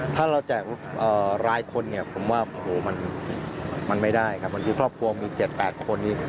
ถ้าเราแจกเอ่อรายคนเนี้ยผมว่าโหมันมันไม่ได้ครับบางทีครอบครัวมีเจ็ดแปดคน